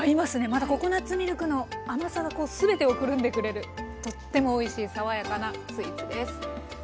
またココナツミルクの甘さが全てをくるんでくれるとってもおいしい爽やかなスイーツです。